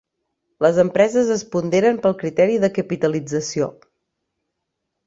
Les empreses es ponderen pel criteri de capitalització.